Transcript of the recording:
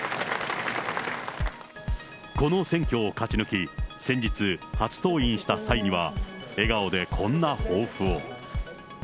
この選挙を勝ち抜き、先日、初登院した際には、笑顔でこんな抱負を。